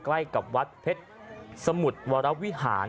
ใกล้กับวัดเผ็ดสมุดวรรพวิหาร